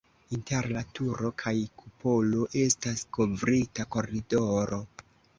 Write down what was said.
Inter la turo kaj kupolo estas kovrita koridoro.